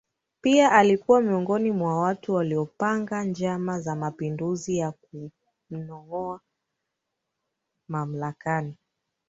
Pia alikuwa miongoni mwa watu waliopanga njama za mapinduzi ya kumngoa mamlakani